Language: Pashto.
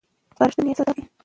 سپارښتنې یې څه داسې دي: